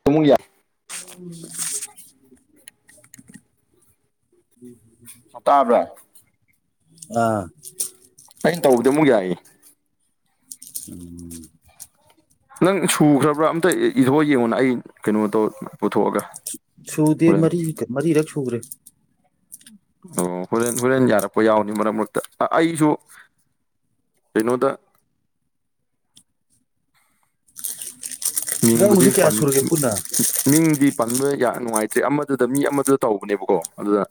[unintelligible] ꯎꯝ ꯍ ꯇꯥꯕ꯭ꯔꯥ ꯑꯥ ꯑꯩꯅ ꯇꯧꯕꯗ ꯑꯃꯨꯛ ꯌꯥꯏ ꯎꯝ ꯅꯪ ꯁꯨꯈ꯭ꯔꯕ꯭ꯔꯥ ꯑꯝꯇ ꯏꯊꯣꯛꯑ ꯌꯦꯡꯉꯣꯅ ꯑꯩ ꯀꯩꯅꯣ ꯇꯧ ꯄꯨꯊꯣꯛꯑꯒ ꯁꯨꯗꯦ ꯍꯣꯔꯦꯟ ꯃꯔꯤ ꯃꯔꯤꯔꯛ ꯁꯨꯈ꯭ꯔꯦ ꯑꯣ ꯍꯣꯔꯦꯟ ꯍꯣꯔꯦꯟ ꯌꯥꯔꯛꯄ ꯌꯥꯎꯅꯤ ꯃꯔꯛ ꯃꯔꯛꯇ ꯑꯩꯁꯨ ꯀꯩꯅꯣꯗ ꯅꯪ ꯃꯤꯡꯕꯨꯗꯤ ꯍꯧꯖꯤꯛ ꯄ ꯀꯌꯥ ꯁꯨꯔꯒꯦ ꯄꯨꯟꯅ ꯃꯤꯡꯗꯤ ꯄꯟꯕ ꯌꯥꯝ ꯅꯨꯡꯉꯥꯏꯇ꯭ꯔꯦ ꯑꯃꯗꯨꯗ ꯃꯤ ꯑꯃꯗꯨꯗ ꯇꯧꯕꯅꯦꯕꯀꯣ ꯑꯗꯨꯗ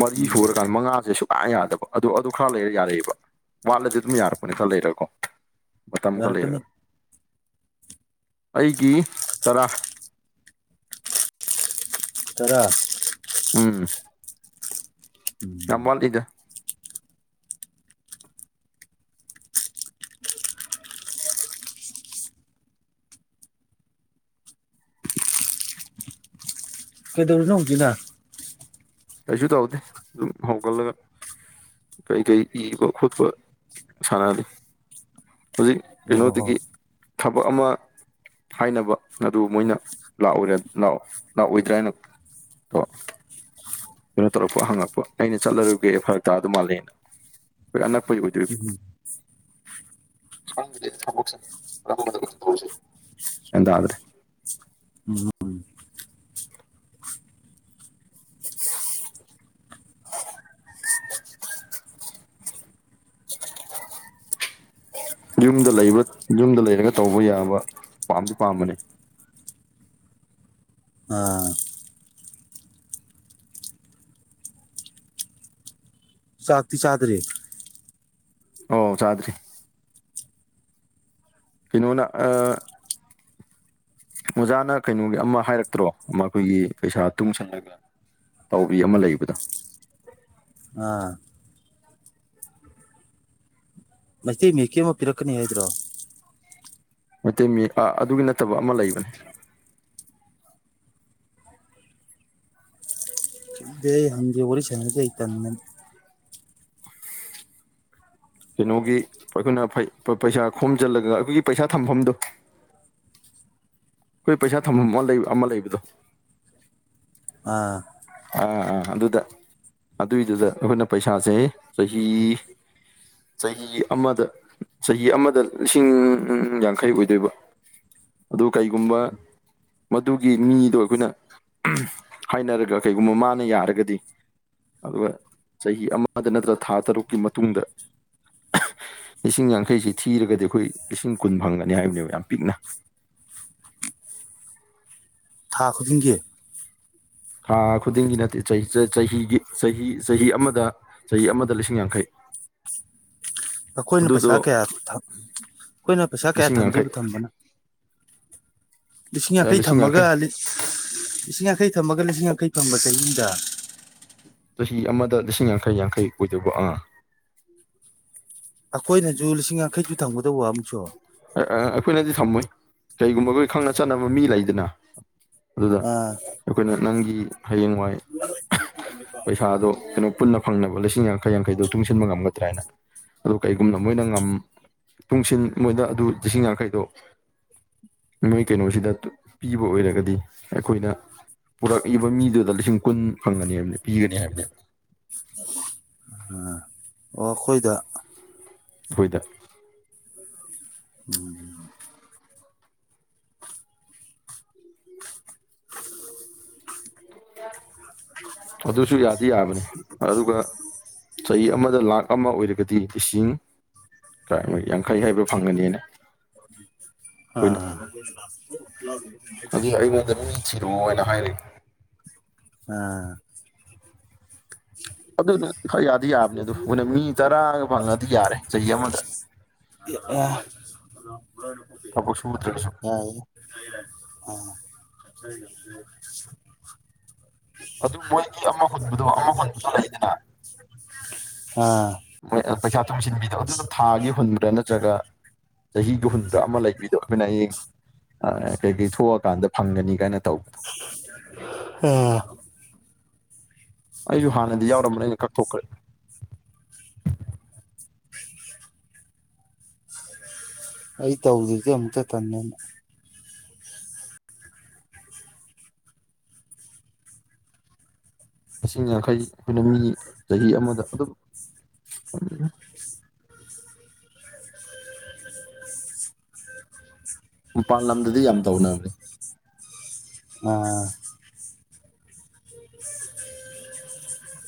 ꯃꯔꯤ ꯎꯝ ꯁꯨꯔꯀꯥꯟ ꯃꯉꯥꯁꯦ ꯁ ꯂꯥꯛ ꯌꯥꯗꯕ ꯑꯗꯨ ꯑꯗꯨ ꯈꯔ ꯂꯩꯔ ꯌꯥꯔꯛꯑꯕ ꯋꯥꯠꯂꯗꯤ ꯑꯗꯨꯝ ꯌꯥꯔꯛꯄꯅꯤ ꯈꯔ ꯂꯩꯔꯀꯣ ꯃꯇꯝ ꯈꯔ ꯌꯥꯔꯛꯀꯅꯤ ꯂꯩꯔꯒ ꯑꯩꯒꯤ ꯇꯔꯥ ꯇꯔꯥ ꯎꯝ ꯎꯝ ꯊꯝꯕꯜ ꯏꯗ ꯀꯩꯗꯧꯔꯝꯔꯤꯅꯣꯡꯁꯤ ꯀꯩꯁꯨ ꯇꯧꯗꯦ ꯍꯧꯒꯜꯂꯒ ꯀꯩ ꯀꯔꯤ ꯄꯤꯕ ꯈꯣꯠꯄ ꯁꯥꯟꯅꯔꯤ ꯍꯧꯖꯤꯛ ꯑꯣ ꯀꯩꯅꯣꯗꯒꯤ ꯊꯕꯛ ꯑꯃ ꯍꯥꯏꯅꯕ ꯑꯗꯨ ꯃꯣꯏꯅ ꯂꯥꯛꯎꯔꯦ ꯂꯥꯛꯑꯣꯏꯗ꯭ꯔꯥꯏꯅꯣ ꯀꯩꯅꯣ ꯇꯧꯔꯛꯄ ꯍꯪꯉꯛꯄ ꯑꯩꯅ ꯆꯠꯂꯔꯨꯒꯦ ꯐꯔꯛ ꯇꯥ ꯑꯗꯨ ꯃꯥꯜꯂꯦꯅ ꯑꯟꯅ ꯄꯨ ꯆꯩ ꯀꯣ ꯎꯝ ꯭ꯔꯦ [unintelligible] ꯎꯝ [unintelligible] [unintelligible] ꯌꯨꯝꯗ ꯂꯩꯕ ꯌꯨꯝꯗ ꯂꯩꯔꯒ ꯇꯧꯕ ꯌꯥꯕ ꯄꯥꯝꯗꯤ ꯄꯥꯝꯕꯅꯦ ꯑꯥ ꯆꯥꯛꯇꯤ ꯆꯗꯔꯤ ꯑꯧ ꯆꯥꯗ꯭ꯔꯤ ꯀꯩꯅꯣꯅ ꯑꯣꯖꯥꯅ ꯀꯩꯅꯣꯒꯤ ꯑꯃ ꯍꯥꯏꯔꯛꯇ꯭ꯔꯣ ꯃꯈꯣꯏꯒꯤ ꯄꯩꯁꯥ ꯇꯨꯡꯁꯜꯂꯒ ꯇꯧꯕꯔꯤ ꯑꯃ ꯂꯩꯕꯗꯣ ꯑꯥ ꯃꯁꯤ ꯃꯦꯀꯤ ꯑꯃ ꯄꯤꯔꯛꯀꯅꯤ ꯍꯥꯏꯗ꯭ꯔꯣ ꯃꯩꯇꯩ ꯃꯤ ꯑꯗꯨꯒꯤ ꯅꯠꯇꯕ ꯑꯃ ꯂꯩꯕꯅꯦ ꯍꯪ ꯎꯔꯤꯁ ꯍꯥꯏ ꯀꯩꯅꯣꯒꯤ ꯑꯩꯈꯣꯏꯅ ꯄꯩꯁꯥ ꯈꯣꯝꯖꯤꯜꯂꯒ ꯑꯩꯈꯣꯏꯒꯤ ꯄꯩꯁꯥ ꯊꯝꯐꯝꯗꯣ ꯑꯩꯈꯣꯏ ꯄꯩꯁꯥ ꯊꯝꯐꯝ ꯑꯃ ꯂꯩ ꯑꯃ ꯂꯩꯕꯗꯣ ꯑꯥ ꯑꯥ ꯑꯥ ꯑꯗꯨꯗ ꯑꯗꯨꯏꯗꯨꯗ ꯑꯩꯈꯣꯏꯅ ꯄꯩꯁꯥꯁꯦ ꯆꯍꯤ ꯆꯍꯤ ꯑꯃꯗ ꯆꯍꯤ ꯑꯃꯗ ꯂꯤꯁꯤꯡ ꯌꯥꯡꯈꯩ ꯑꯣꯏꯗꯣꯏꯕ ꯑꯗꯨ ꯀꯩꯒꯨꯝꯕ ꯃꯗꯨꯒꯤ ꯃꯤꯗꯣ ꯑꯩꯈꯣꯏꯅ ꯍꯥꯏꯅꯔꯒ ꯀꯩꯒꯨꯝꯕ ꯃꯥꯅ ꯌꯥꯔꯒꯗꯤ ꯑꯗꯨꯒ ꯆꯍꯤ ꯑꯃꯗ ꯅꯠꯇ꯭ꯔꯒ ꯊꯥ ꯇꯔꯨꯛꯀꯤ ꯃꯇꯨꯡꯗ ꯂꯤꯁꯤꯡ ꯌꯥꯡꯈꯩꯁꯤ ꯊꯤꯔꯒꯗꯤ ꯑꯩꯈꯣꯏ ꯂꯤꯁꯤꯡ ꯀꯨꯟ ꯐꯪꯒꯅꯤ ꯍꯥꯏꯕꯅꯦꯕ ꯌꯥꯝ ꯄꯤꯛꯅ ꯊꯥ ꯈꯨꯗꯤꯡꯒꯤ ꯈꯥ ꯈꯨꯗꯤꯡꯒꯤ ꯅꯠꯇꯦ ꯆꯍꯤꯒꯤ ꯆꯍꯤ ꯆꯍꯤ ꯑꯃꯗ ꯆꯍꯤ ꯑꯃꯗ ꯂꯤꯁꯤꯡ ꯌꯥꯡꯈꯩ ꯑꯩꯈꯣꯏꯅ ꯄꯩꯁꯥ ꯑꯗꯨꯗꯣ ꯀꯌꯥ ꯑꯩꯈꯣꯏꯅ ꯄꯩꯁꯥ ꯀꯌꯥ ꯂꯤꯁꯤꯡ ꯌꯥꯡꯈꯩ ꯊꯝꯗꯣꯏꯕ ꯊꯝꯕꯅꯣ ꯂꯤꯁꯤꯡ ꯌꯥꯡꯈꯩ ꯊꯝꯃꯒ ꯂꯤꯁꯤꯡ ꯌꯥꯡꯈꯩ ꯊꯝꯃꯒ ꯂꯤꯁꯤꯡ ꯌꯥꯡꯈꯩ ꯊꯝꯕ ꯆꯍꯤꯗ ꯆꯍꯤ ꯑꯃꯗ ꯂꯤꯁꯤꯡ ꯌꯥꯡꯈꯩ ꯌꯥꯡꯈꯩ ꯑꯣꯏꯗꯧꯕ ꯑꯥ ꯑꯩꯈꯣꯏꯅꯁꯨ ꯂꯤꯁꯤꯡ ꯌꯥꯡꯈꯩꯁꯨ ꯊꯝꯒꯗꯧꯕ ꯑꯃꯨꯛꯁꯨ ꯑꯩꯈꯣꯏꯅꯗꯤ ꯊꯝꯃꯣꯏ ꯀꯩꯒꯨꯝꯕꯈꯣꯏ ꯈꯪꯅ ꯆꯠꯅꯕ ꯃꯤ ꯂꯩꯗꯅ ꯑꯗꯨꯗ ꯑꯥ ꯑꯩꯈꯣꯏꯅ ꯅꯪꯒꯤ ꯍꯌꯦꯡꯋꯥꯏ ꯀꯥꯎ ꯄꯩꯁꯥꯗꯣ ꯀꯩꯅꯣ ꯄꯨꯟꯅ ꯐꯪꯅꯕ ꯂꯤꯁꯤꯡ ꯌꯥꯡꯈꯩ ꯌꯥꯡꯈꯩꯗꯣ ꯇꯨꯡꯁꯤꯟꯕ ꯉꯝꯒꯗ꯭ꯔꯥ ꯍꯥꯏꯅ ꯑ ꯀꯩꯒꯨꯝꯅ ꯃꯣꯏꯅ ꯇꯨꯡꯁꯤꯟꯜ ꯃꯣꯏꯗ ꯑꯗꯨ ꯂꯤꯁꯤꯡ ꯌꯥꯡꯈꯩꯗꯣ ꯃꯣꯏ ꯀꯩꯅꯣꯁꯤꯗ ꯄꯤꯕ ꯑꯣꯏꯔꯒꯗꯤ ꯑꯩꯈꯣꯏꯗ ꯄꯨꯔꯛꯏꯕ ꯃꯤꯗꯨꯗ ꯂꯤꯁꯤꯡ ꯀꯨꯟ ꯐꯪꯒꯅꯦ ꯍꯥꯏꯕꯅꯦ ꯄꯤꯒꯅꯤ ꯍꯥꯏꯕꯅꯦꯕ ꯎ ꯑꯣ ꯑꯩꯈꯣꯏꯗ ꯍꯈꯣꯏꯗ ꯎꯝ ꯑꯗꯨꯁꯨ ꯌꯥꯗꯤ ꯌꯥꯕꯅꯤ ꯑꯗꯨꯒ ꯆꯍꯤ ꯑꯃꯗ ꯂꯥꯛ ꯑꯃ ꯑꯣꯏꯔꯒꯗꯤ ꯂꯤꯁꯤꯡ ꯃꯣꯏ ꯌꯥꯡꯈꯩ ꯍꯥꯏꯕ ꯐꯪꯉꯅꯤꯅ ꯑꯩꯈꯣꯏꯅ ꯂ [unintelligible] [unintelligible] ꯑꯗꯨ ꯑꯩꯉꯣꯟꯗ ꯃꯤ ꯊꯤꯔꯛꯑꯣ ꯍꯥꯏꯅ ꯍꯥꯏꯔꯦ ꯑꯥ ꯑꯗꯨꯅ ꯈꯔ ꯌꯥꯗꯤ ꯌꯥꯕꯅꯦ ꯑꯗꯨ ꯑꯩꯈꯣꯏꯅ ꯃꯤ ꯇꯔꯥꯒ ꯐꯪꯉꯗꯤ ꯌꯥꯔꯦ ꯆꯍꯤ ꯑꯃꯗ ꯑ ꯊꯕꯛ ꯁꯨꯗ꯭ꯔꯁꯨ ꯌꯥ ꯑ ꯑꯗꯨ ꯃꯣꯏꯒꯤ ꯑꯃ ꯍꯨꯟꯕꯗꯣ ꯑꯃ ꯍꯨꯟꯕꯗꯣ ꯂꯩꯗꯅ ꯑꯥ ꯄꯩꯁꯥ ꯇꯝꯁꯤꯟꯕꯤꯗꯣ ꯑꯗꯨꯗ ꯊꯥꯒꯤ ꯍꯨꯟꯕ꯭ꯔꯥ ꯅꯠꯇ꯭ꯔꯒ ꯆꯍꯤꯒ ꯍꯨꯟꯗ꯭ꯔꯥ ꯑꯃ ꯂꯩꯕꯤꯗꯣ ꯑꯩꯈꯣꯏꯅ ꯍꯌꯦꯡ ꯀꯩ ꯀꯩ ꯊꯣꯛꯑꯀꯥꯟꯗ ꯐꯪꯒꯅꯤ ꯀꯥꯏꯅ ꯇꯧꯒ ꯎ ꯑꯩꯁꯨ ꯍꯥꯟꯅꯗꯤ ꯌꯥꯎꯔꯝꯕꯅꯦ ꯑꯩꯅ ꯀꯛꯊꯣꯛꯈ꯭ꯔꯦ ꯑꯩ ꯇꯧꯗ꯭ꯗꯤꯦ ꯑꯃꯨꯛꯇ ꯇꯟꯅꯅ ꯂꯤ ꯌꯥꯡꯈꯩ ꯑꯩꯈꯣꯏꯅ ꯃꯤꯒꯤ ꯆꯍꯤ ꯑꯃꯗ ꯑꯗꯨꯝ ꯃꯄꯥꯟ ꯂꯝꯗꯗꯤ ꯌꯥꯝ ꯇꯧꯅꯈ꯭ꯔꯦ ꯑꯣ [unintelligible]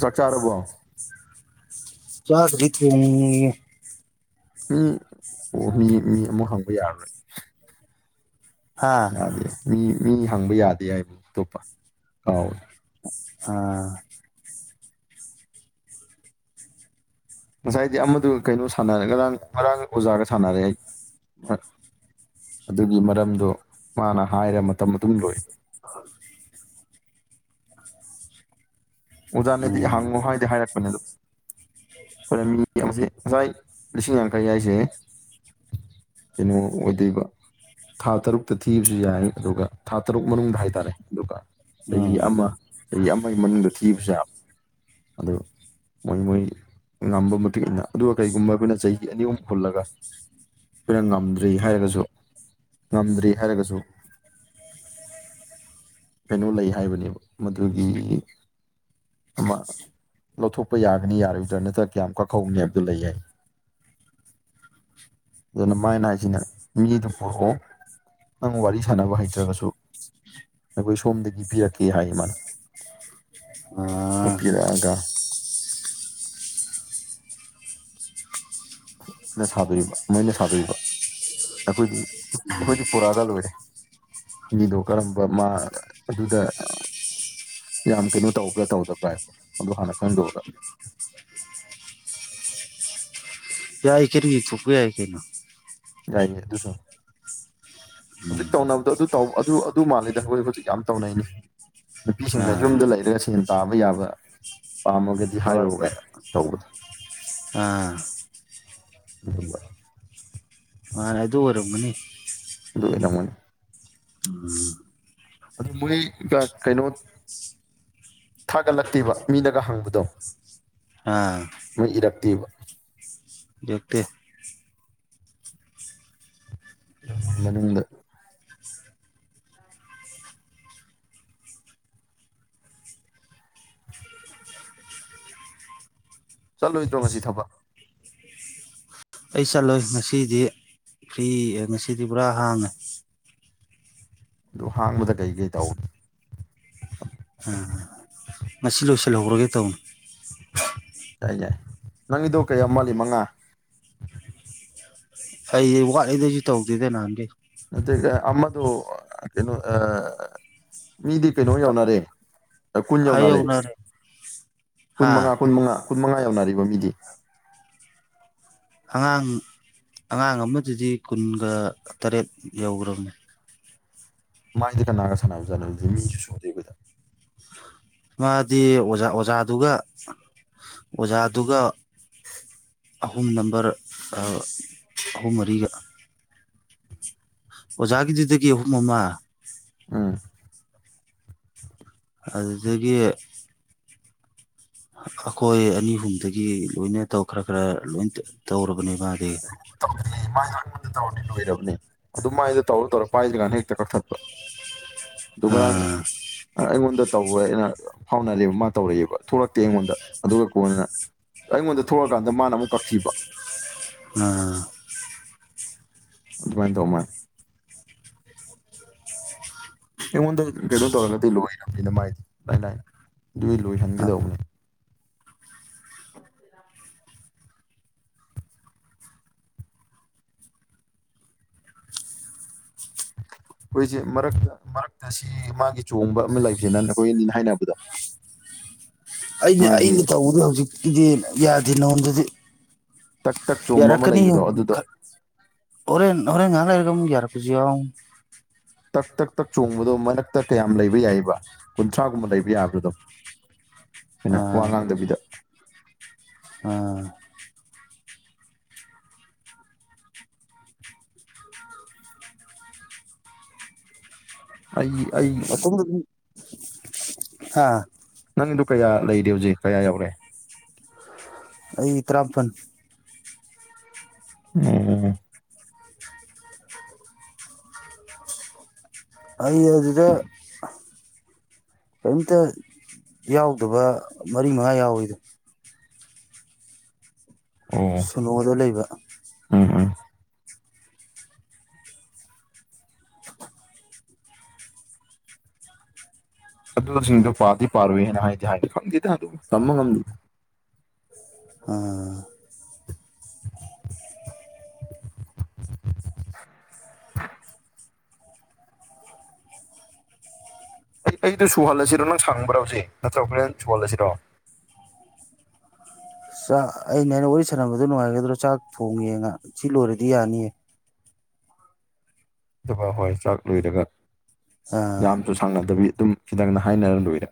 ꯁ꯭ꯆꯥꯔꯨꯕ ꯆꯥꯗꯔꯤꯀ ꯃꯤ ꯑꯣ ꯃꯤ ꯃꯤ ꯑꯃꯨ ꯍꯪꯕ ꯌꯥꯔꯔꯣꯏ ꯍꯥꯥ ꯃꯤ ꯃꯤ ꯍꯪꯕ ꯌꯥꯗꯦ ꯍꯥꯏꯕꯕꯨ ꯑꯇꯣꯞꯄ ꯀꯥꯎꯋꯦ ꯑꯥ ꯉꯁꯥꯏꯗꯤ ꯑꯃꯗꯨ ꯀꯩꯅꯣ ꯁꯅꯔ ꯉꯔꯥꯡ ꯉꯔꯥꯡꯒ ꯑꯣꯖꯥꯒ ꯁꯥꯟꯅꯔꯦ ꯑꯩ ꯑꯗꯨꯒꯤ ꯃꯔꯝꯗꯣ ꯃꯥꯅ ꯍꯥꯏꯔ ꯃꯇꯝ ꯑꯗꯨꯝ ꯂꯣꯏ ꯍ ꯑꯣꯖꯥꯅꯗꯤ ꯎꯝ ꯍꯪꯉꯨ ꯍꯥꯏꯗꯤ ꯍꯥꯏꯔꯛꯄꯅꯦ ꯑꯗꯨꯣ ꯍ ꯃꯤ ꯉꯁꯥꯏ ꯂꯤꯁꯤꯡ ꯌꯥꯡꯈꯩ ꯍꯥꯏꯏꯁꯦ ꯀꯩꯅꯣ ꯑꯣꯏꯗꯣꯏꯕ ꯊꯥ ꯇꯔꯨꯛꯇ ꯊꯤꯕꯁꯨ ꯌꯥꯏ ꯑꯗꯨꯒ ꯊꯥ ꯇꯔꯨꯛ ꯃꯅꯨꯡꯗ ꯍꯥꯏꯇꯥꯔꯦ ꯑꯗꯨꯒ ꯆꯍꯤ ꯎꯝ ꯑꯃ ꯆꯍꯤ ꯑꯃꯒꯤ ꯃꯅꯨꯡꯗ ꯊꯤꯕꯁꯦꯕ ꯑꯗꯨ ꯃꯣꯏ ꯃꯣꯏ ꯉꯝꯕ ꯃꯇꯨꯡ ꯏ ꯃꯇꯨꯡꯏꯟꯅ ꯑꯗꯨꯒ ꯀꯩꯒꯨꯝꯕ ꯑꯩꯈꯣꯏꯅ ꯆꯍꯤꯒꯤ ꯑꯅꯤ ꯑꯍꯨꯝ ꯍꯨꯜꯂꯒ ꯑꯩꯈꯣꯏꯅ ꯉꯝꯗ꯭ꯔꯤ ꯍꯥꯏꯔꯒꯁꯨ ꯉꯝꯗ꯭ꯔꯤ ꯍꯥꯏꯔꯒꯁꯨ ꯀꯩꯅꯣ ꯂꯩ ꯍꯥꯏꯕꯅꯦꯕ ꯃꯗꯨꯒꯤ ꯑꯃ ꯂꯧꯊꯣꯛꯄ ꯌꯥꯒꯅꯤ ꯌꯥꯔꯣꯏꯗ꯭ꯔꯥ ꯅꯠꯇ꯭ꯔꯒ ꯀꯌꯥꯝ ꯀꯛꯍꯧꯅꯤ ꯍꯥꯏꯕꯗꯣ ꯂꯩ ꯍꯥꯏ ꯑꯗꯨꯅ ꯃꯥꯏꯅ ꯍꯥꯏꯁꯤꯅ ꯃꯤꯗꯨ ꯄꯨꯔꯛꯑꯣ ꯅꯪ ꯋꯥꯔꯤ ꯁꯥꯟꯅꯕ ꯍꯩꯇ꯭ꯔꯒꯁꯨ ꯑꯩꯈꯣꯏ ꯁꯣꯝꯗꯒꯤ ꯄꯤꯔꯛꯀꯦ ꯍꯥꯏ ꯃꯥꯅ ꯑꯥ ꯄꯤꯔꯛꯑꯒ ꯅ ꯁꯥꯗꯣꯔꯤꯕ ꯃꯣꯏꯅ ꯁꯥꯗꯣꯕ ꯑꯩꯈꯣꯏꯗꯤ ꯑꯩꯈꯣꯏꯗꯤ ꯄꯨꯔꯛꯑꯒ ꯂꯣꯏꯔꯦ ꯃꯤꯗꯣ ꯀꯔꯝꯕ ꯃꯥ ꯑꯗꯨꯗ ꯌꯥꯝ ꯀꯩꯅꯣ ꯇꯧꯕ꯭ꯔꯥ ꯇꯧꯗꯕ꯭ꯔꯥ ꯍꯥꯏꯕ ꯑꯗꯨꯗꯣ ꯍꯥꯟꯅ ꯈꯪꯗꯣꯛꯑꯒ ꯀ ꯌꯥꯏ ꯀꯦꯔꯤ ꯆꯄꯤꯏ ꯌꯥꯏ ꯀꯦꯅ ꯌꯥꯏꯌꯦ ꯑꯗꯨꯁꯨ ꯍꯧꯖꯤꯛ ꯇꯧꯅꯕꯗꯣ ꯑꯗꯨ ꯇ ꯑꯗꯨ ꯑꯗꯨ ꯃꯥꯜꯜꯂꯤꯦꯗ ꯑꯩꯈꯣꯏ ꯍꯧꯖꯤꯛ ꯌꯥꯝ ꯇꯧꯅꯩꯅꯤ ꯅꯨꯄꯤꯁꯤꯡꯅ ꯑꯥ ꯌꯨꯝꯗ ꯂꯩꯔꯒ ꯁꯦꯟ ꯇꯥꯕ ꯌꯥꯕ ꯄꯥꯝꯃꯒꯗꯤ ꯍꯣꯏ ꯍꯥꯏꯔꯨꯔꯦ ꯇꯧꯕꯗꯣ ꯑꯥ ꯎꯝ ꯃꯥꯅꯦ ꯑꯗꯨ ꯑꯣꯏꯔꯝꯒꯅꯤ [unintelligible] [inaudible] ꯑꯗꯨ ꯃꯣꯏ ꯀꯩꯅꯣ ꯊꯥꯒꯠꯂꯛꯇꯦꯕ ꯃꯤꯅꯒ ꯍꯪꯕꯗꯣ ꯑꯥ ꯃꯣꯏ ꯏꯔꯛꯇꯦꯕ ꯏꯔꯛꯇꯦ ꯃꯅꯨꯡꯗ ꯆꯠꯂꯣꯏꯗ꯭ꯔꯣ ꯉꯁꯤ ꯊꯕꯛ ꯑꯩ ꯆꯠꯂꯣꯏ ꯉꯁꯤꯗꯤ ꯐ꯭ꯔꯤ ꯉꯁꯤꯗꯤ ꯄꯨꯔꯥ ꯍꯥꯡꯉꯦ ꯑꯗꯨ ꯍꯥꯡꯕꯗ ꯀꯩꯀꯩ ꯇꯧꯅꯤ [unintelligible] ꯉꯁꯤ ꯂꯣꯏꯁꯤꯜꯍꯧꯔꯒꯦ ꯇꯧꯅꯤ ꯌꯥꯏ ꯌꯥꯏ ꯅꯪꯒꯤꯗꯣ ꯀꯌꯥ ꯃꯥꯜꯂꯤ ꯃꯉꯥ ꯑꯩꯩ ꯋꯥꯠꯂꯤꯗ ꯑꯩꯖꯨ ꯇꯧꯗꯦꯗ ꯅꯍꯥꯟꯒꯩ ꯅꯠꯇꯦꯗ ꯑꯃꯗꯨ ꯀꯩꯅꯣ ꯑꯥ ꯃꯤꯗꯤ ꯀꯩꯅꯣ ꯌꯧꯅꯔꯦ ꯀꯨꯟ ꯌꯧꯅꯔꯦ ꯍꯥꯏꯍꯧꯅꯔꯦ ꯀꯨꯟ ꯍꯥ ꯃꯉꯥ ꯀꯨꯟ ꯃꯉꯥ ꯀꯨꯟ ꯃꯉꯥ ꯌꯧꯅꯔꯦꯕ ꯃꯤꯗꯤ ꯑꯉꯥꯡ ꯑꯉꯥꯡ ꯑꯃꯗꯗꯤ ꯀꯨꯟꯒ ꯇꯔꯦꯠ ꯌꯧꯒ꯭ꯔꯕꯅꯦ ꯃꯥꯏꯗꯤ ꯀꯅꯥꯒ ꯁꯥꯟꯅꯕꯖꯠꯅꯣ ꯑꯗꯨꯗꯤ ꯃꯤꯁꯨ ꯁꯨꯗꯦ ꯑꯩꯈꯣꯏꯗ ꯃꯥꯗꯤ ꯑꯣꯖꯥ ꯑꯣꯖꯥꯗꯨꯒ ꯑꯣꯖꯥꯗꯨꯒ ꯑꯍꯨꯝ ꯅꯝꯕꯔ ꯑꯍꯨꯝ ꯃꯔꯤꯒ ꯑꯣꯖꯥꯒꯤꯗꯨꯗꯒꯤ ꯑꯍꯨꯝ ꯑꯃ ꯎꯝ ꯑꯗꯨꯗꯒꯤ ꯑꯩꯈꯣꯏ ꯑꯅꯤ ꯑꯍꯨꯝꯗꯒꯤ ꯂꯣꯏꯅ ꯇꯧ ꯈꯔ ꯈꯔ ꯂꯣꯏ ꯇꯧꯔꯕꯅꯦ ꯃꯥꯗꯤ ꯇꯧꯗ ꯃꯥꯉꯣꯟꯗ ꯇꯧꯔꯅꯤ ꯂꯣꯏꯔꯕꯅꯦ ꯑꯗꯨ ꯃꯥꯏꯗꯣ ꯇꯧꯔ ꯇꯧꯔ ꯄꯥꯏꯗꯔꯤꯒꯟꯗ ꯍꯦꯛꯇ ꯀꯛꯊꯠꯄ ꯗꯨ ꯉꯔꯥꯡ ꯑꯥ ꯑꯩꯉꯣꯟꯗ ꯇꯧꯋꯦ ꯑꯩꯅ ꯐꯥꯎꯅꯔꯦꯕ ꯃꯥ ꯇꯧꯔꯛꯑꯦꯕ ꯊꯣꯛꯂꯛꯇꯦ ꯑꯩꯉꯣꯟꯗ ꯑꯗꯨꯒ ꯀꯣꯟꯅ ꯑꯩꯉꯣꯟꯗ ꯊꯣꯛꯂꯀꯥꯟꯗ ꯃꯥꯅ ꯑꯃꯨꯛ ꯀꯛꯈꯤꯕ ꯎꯝ ꯑꯗꯨꯃꯥꯏꯅ ꯇꯧ ꯃꯥꯂꯦ ꯑꯩꯉꯣꯟꯗ ꯀꯩꯅꯣ ꯇꯧꯔꯒꯗꯤ ꯂꯣꯏꯔꯕꯅꯤꯅ ꯃꯥꯏꯗꯤ ꯂꯥꯏ ꯂꯥꯏꯅ ꯑꯗꯨꯒꯤ ꯂꯣꯏꯍꯟꯒꯗꯧꯕꯅꯦ [inaudible] ꯑꯩꯈꯣꯏꯖꯦ ꯃꯔꯛꯇ ꯃꯔꯛꯇ ꯁꯤ ꯃꯥꯒꯤ ꯆꯣꯡꯕ ꯑꯃ ꯂꯩꯕꯁꯤꯅ ꯑꯩꯈꯣꯏ ꯑꯅꯤ ꯍꯥꯏꯅꯕꯗ [inaudible] ꯑꯩꯅ ꯑꯩꯅ ꯇꯧꯕꯗꯤ ꯍꯧꯖꯤꯛꯀꯤꯗꯤ ꯌꯥꯗꯦ ꯅꯉꯣꯟꯗꯗꯤ ꯇꯛ ꯇꯛ ꯆꯣꯡꯕ ꯑꯃ ꯌꯥꯔꯛꯀꯅꯤ ꯂꯩꯕꯗꯣ ꯑꯗꯨꯗꯣ ꯍꯣꯔꯦꯟ ꯍꯣꯔꯦꯟ ꯉꯥꯏꯍꯥꯛ ꯂꯩꯔꯒ ꯑꯃꯨꯛ ꯌꯥꯔꯛꯄꯖꯨ ꯌꯥꯎ ꯇꯛ ꯇꯛ ꯇꯛ ꯆꯣꯡꯕꯗꯣ ꯃꯔꯛꯇ ꯀꯌꯥꯝ ꯂꯩꯕ ꯌꯥꯏꯑꯕ ꯀꯨꯟꯊ꯭ꯔꯥꯒꯨꯝꯕ ꯂꯩꯕ ꯌꯥꯕ꯭ꯔꯥ ꯑꯗꯨꯝ ꯑꯩꯅ ꯋꯥ ꯑꯥ ꯉꯥꯡꯗꯕꯤꯗ ꯑꯥ ꯑꯩ ꯑꯩ [inaudible] ꯍꯥ ꯅꯪꯗꯨ ꯀꯌꯥ ꯂꯩꯔꯤ ꯍꯧꯖꯤꯛ ꯀꯌꯥ ꯌꯧꯔꯦ ꯑꯩ ꯇꯔꯥꯄꯟ ꯎꯝ ꯑꯩ ꯑꯗꯨꯗ ꯀꯔꯤꯝꯇ ꯌꯥꯎꯗꯕ ꯃꯔꯤ ꯃꯉꯥ ꯌꯥꯎꯋꯦꯗꯣ ꯑꯣ ꯁꯨꯅꯣꯗ ꯂꯩꯕ ꯎꯝ ꯎꯝ ꯑꯗꯨꯁꯤꯡꯗꯣ ꯄꯥꯗꯤ ꯄꯥꯔꯣꯏꯏꯅ ꯍꯥꯏꯗꯤ ꯍꯥꯏꯗꯤ ꯈꯪꯗꯦꯗ ꯑꯗꯨꯝ ꯇꯝꯕ ꯉꯝꯗꯦꯗ ꯑꯥ [inaudible] ꯑꯩ ꯑꯩꯗꯣ ꯁꯨꯍꯜꯂꯁꯤꯔꯣ ꯅꯪ ꯁꯪꯕ꯭ꯔꯥ ꯍꯧꯖꯤꯦ ꯅꯠꯇ꯭ꯔꯕ ꯅꯪ ꯁꯨꯍꯜꯂꯁꯤꯔꯣ ꯆꯥꯛ ꯑꯩꯅ ꯋꯥꯔꯤ ꯁꯥꯟꯝꯕꯗꯣ ꯅꯨꯡꯉꯥꯏꯒꯗ꯭ꯔꯣ ꯆꯥꯛ ꯊꯣꯡꯉꯡꯉꯦ ꯁꯤ ꯂꯣꯏꯔꯗꯤ ꯌꯥꯅꯤꯌꯦ ꯑꯗꯨꯒ ꯍꯣꯏ ꯆꯥꯛ ꯂꯣꯏꯔꯒ ꯑꯥ ꯌꯥꯝ ꯐꯪꯅꯗꯕꯤ ꯑꯗꯨꯝ ꯈꯤꯇꯪꯪ ꯍꯥꯏꯅꯔ ꯂꯣꯏꯔꯦ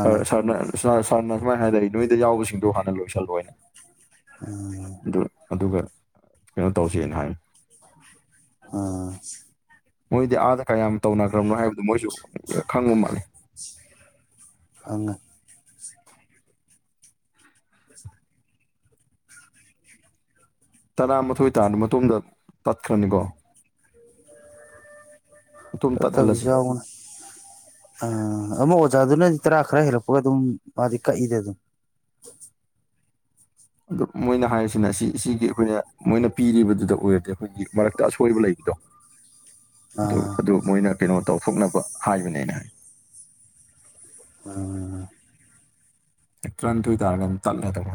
ꯁꯥꯔ ꯁꯥꯔꯅ ꯁꯔ ꯁꯔꯅ ꯁꯨꯃꯥꯏꯅ ꯍꯥꯏꯔꯦ ꯅꯣꯏꯗ ꯌꯥꯎꯕꯁꯤꯡꯗꯣ ꯍꯥꯟꯅ ꯂꯣꯏꯁꯤꯜꯂꯣꯏꯅ ꯎꯝ ꯑꯗꯨ ꯑꯗꯨꯒ ꯀꯩꯅꯣ ꯇꯧꯁꯦꯅ ꯍꯥꯏꯝꯅꯤ ꯑꯥ ꯃꯣꯏꯗꯤ ꯑꯥꯗ ꯀꯌꯥꯝ ꯇꯧꯅꯈ꯭ꯔꯕꯅꯣ ꯍꯥꯏꯕꯗꯨ ꯃꯣꯏꯁꯨ ꯈꯪꯕ ꯃꯥꯜꯂꯦ ꯈꯪꯉꯦ ꯇꯔꯥꯃꯥꯊꯣꯏ ꯇꯥꯔꯕ ꯃꯇꯨꯡꯗ ꯇꯠꯈ꯭ꯔꯅꯤꯀꯣ ꯃꯇꯨꯝ ꯐꯠꯇꯕꯁꯨ ꯇꯠꯍꯜꯂꯁꯤ ꯎꯝ ꯑꯃ ꯑꯣꯖꯥꯗꯨꯅꯗꯤ ꯇꯔꯥ ꯈꯔ ꯍꯦꯜꯂꯛꯄꯒ ꯑꯗꯨꯝ ꯃꯥꯗꯤ ꯀꯛꯏꯗ ꯑꯗꯨꯝ ꯑꯗꯨ ꯃꯣꯏꯅ ꯍꯥꯏꯔꯤꯁꯤꯅ ꯁꯤ ꯁꯤꯒꯤ ꯑꯩꯈꯣꯏꯅ ꯃꯣꯏꯅ ꯄꯤꯔꯤꯕꯗꯨꯗ ꯑꯣꯏꯔꯗꯤ ꯑꯩꯈꯣꯏꯒꯤ ꯃꯔꯛꯇ ꯑꯁꯣꯏꯕ ꯂꯩꯕꯗꯣ ꯑꯗꯨ ꯑꯥ ꯑꯗꯨ ꯃꯣꯏꯅ ꯀꯩꯅꯣ ꯇꯧꯊꯣꯛꯅꯕ ꯍꯥꯏꯕꯅꯦꯅ ꯑꯥ ꯇꯔꯥꯟꯏꯊꯣꯏ ꯇꯥꯔꯒ ꯑꯗꯨꯝ ꯇꯠꯂꯥꯗꯝ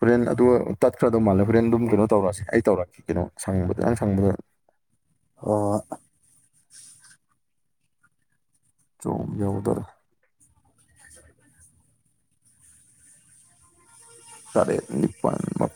ꯍꯣꯔꯦꯟ ꯑꯗꯨꯒ ꯇꯠꯈ꯭ꯔꯗꯧ ꯃꯥꯜꯂꯦ ꯍꯣꯔꯦꯟ ꯑꯗꯨꯝ ꯀꯩꯅꯣ ꯇꯧꯔꯛꯑꯁꯦ ꯑꯩ ꯇꯧꯔꯛꯀꯦ ꯀꯩꯅꯣ ꯁꯪꯕꯗ ꯅꯪ ꯁꯪꯕꯗ ꯍꯣꯏ ꯆꯣꯡ ꯌꯧꯗꯣꯔꯦ ꯇꯔꯦꯠ ꯅꯤꯄꯥꯟ ꯃꯥ